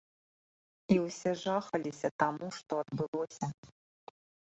І ўсе жахаліся таму, што адбылося.